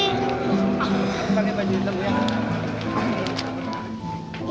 gak mau mira mau naik sekali lagi